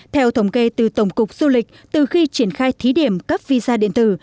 theo thống kê từ tổng cục du lịch từ khi triển khai thí điểm cấp visa điện tử